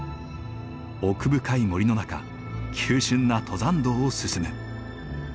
奥深い森の中急峻な登山道を進む。